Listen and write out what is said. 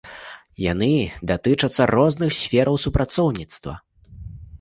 Яны датычацца розных сфераў супрацоўніцтва.